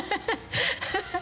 アハハハ。